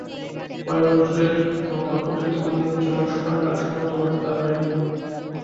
পরে নজরুলের সঙ্গে অপহৃত মনিরুজ্জামান স্বপনের লাশ শনাক্ত করেন তাঁর ভাই রিপন।